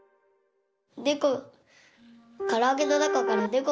ねこ。